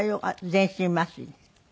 全身麻酔。